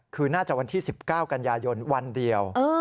คือน่าจะวันที่๑๙กันยายนวันเดียว